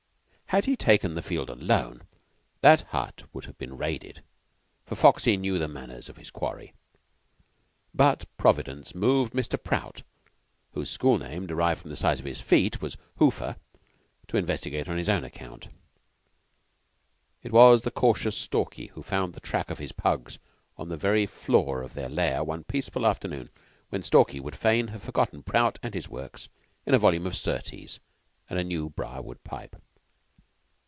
Had he taken the field alone, that hut would have been raided, for Foxy knew the manners of his quarry; but Providence moved Mr. Prout, whose school name, derived from the size of his feet, was Hoofer, to investigate on his own account; and it was the cautious Stalky who found the track of his pugs on the very floor of their lair one peaceful afternoon when Stalky would fain have forgotten Prout and his works in a volume of Surtees and a new briar wood pipe.